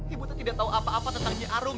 ibu tuh tidak tahu apa apa tentang nyi arum